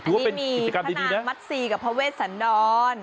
ถือว่าเป็นกิจกรรมดีนะอันนี้มีพนักมัดซีกับพระเวชสันดร